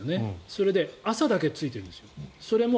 それで、朝だけついてるんですよね。